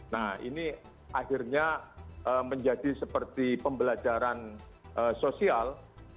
nah ini akhirnya menjadi seperti pembelajaran sosial